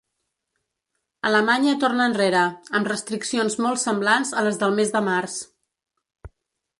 Alemanya torna enrere, amb restriccions molt semblants a les del mes de març.